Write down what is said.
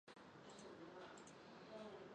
有过三段婚姻。